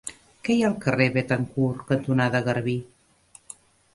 Què hi ha al carrer Béthencourt cantonada Garbí?